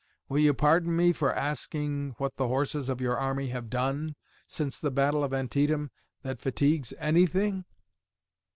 Will you pardon me for asking what the horses of your army have done since the battle of Antietam that fatigues anything?"